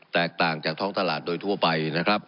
แตกต่างจากท้องตลาดโดยทั่วไป